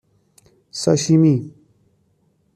ساشیمی